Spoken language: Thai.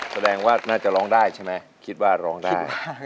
แสดงว่าน่าจะร้องได้ใช่ไหมคิดว่าร้องได้